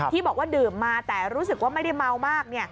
ที่บอกว่าดื่มมาแต่รู้สึกว่าไม่ได้เมามาก